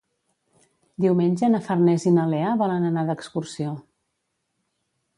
Diumenge na Farners i na Lea volen anar d'excursió.